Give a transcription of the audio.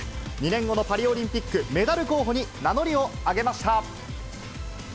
２年後のパリオリンピックメダル候補に名乗りを上げました。